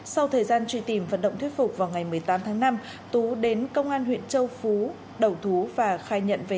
sau thời gian truy tìm vận động thuyết phục vào ngày một mươi tám tháng năm tú đến công an huyện châu phú đầu thú và khai nhận về